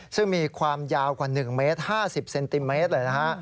ซึ่งมีความยาวกว่า๑เมตร๕๐เซนติเมตรเลยนะฮะ